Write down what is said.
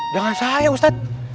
jangan saya ustadz